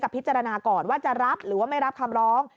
พิจารณาก่อนว่าจะรับหรือว่าไม่รับคำร้อง